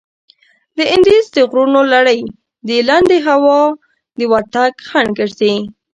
د اندیز د غرونو لړي د لندې هوا د ورتګ خنډ ګرځي.